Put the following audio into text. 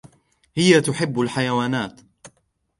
هي تحب الحيوانات.